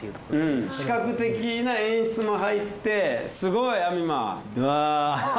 視覚的な演出も入ってすごいアミマ！